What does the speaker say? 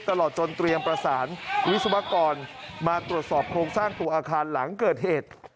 ตลอดจนเตรียมประสานวิศวกรมาตรวจสอบโครงสร้างตัวอาคารหลังเกิดเหตุ